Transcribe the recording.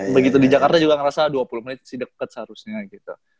begitu di jakarta juga ngerasa dua puluh menit sih deket seharusnya gitu